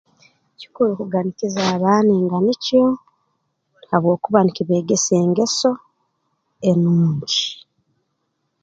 Kikuru kuganikiza abaana enganikyo habwokuba nikibeegesa engeso enungi